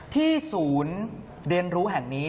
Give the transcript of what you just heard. ศูนย์เรียนรู้แห่งนี้